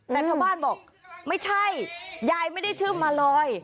แต่ชาวบ้านบอกไม่ใช่ยายไม่ได้ชื่อมาลอย